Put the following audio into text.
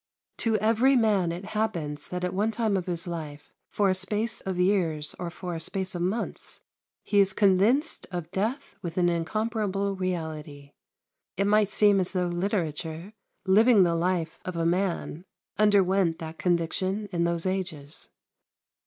To every man it happens that at one time of his life for a space of years or for a space of months he is convinced of death with an incomparable reality. It might seem as though literature, living the life of a man, underwent that conviction in those ages.